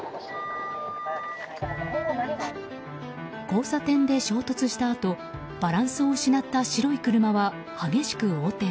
交差点で衝突したあとバランスを失った白い車は激しく横転。